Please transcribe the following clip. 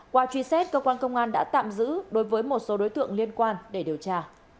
qua truy xét cơ quan công an đã tạm giữ đối với một số đối tượng liên quan để điều tra